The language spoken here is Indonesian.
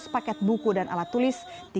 tujuh ratus paket buku dan alat tulis